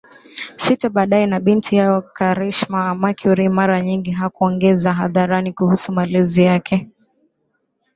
sita baadaye na binti yao Karishma Mercury mara nyingi hakuongeza hadharani kuhusu malezi yake